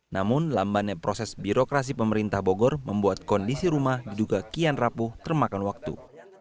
namun lambannya proses birokrasi pemerintah bogor membuat kondisi rumah diduga kian rapuh termakan waktu